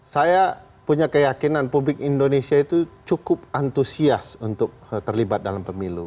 saya punya keyakinan publik indonesia itu cukup antusias untuk terlibat dalam pemilu